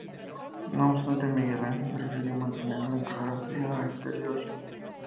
No obstante Miguel Ángel prefirió mantener la iconografía anterior.